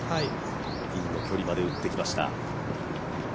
ピンの距離まで打ってきました。